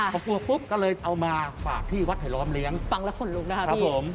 พอกลัวปุ๊บก็เลยเอามาฝากที่วัดไผลล้อมเลี้ยงฟังแล้วขนลุกนะครับครับผม